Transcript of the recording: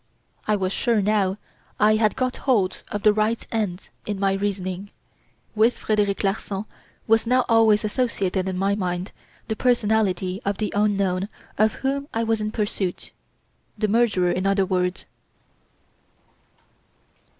I was sure now I had got hold of the right end in my reasoning. With Frederic Larsan was now always associated, in my mind, the personality of the unknown of whom I was in pursuit the murderer, in other words.